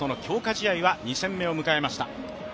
試合は２戦目を迎えました。